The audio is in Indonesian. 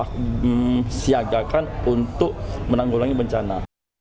kita bisa siagakan untuk menanggulangi bencana